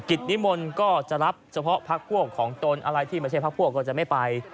กิจนิมนต์ก็จะรับเฉพาะพักพวกของตนอะไรที่ไม่ใช่พักพวกก็จะไม่ไป